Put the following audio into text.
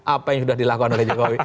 apa yang sudah dilakukan oleh jokowi